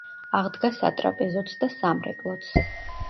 აღდგა სატრაპეზოც და სამრეკლოც.